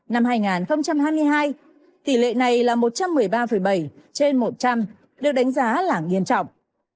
năm hai nghìn hai mươi hai tỷ lệ này là một trăm một mươi ba bảy trên một trăm linh được đánh giá là nghiêm trọng